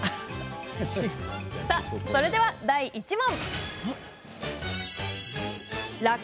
それでは、第１問。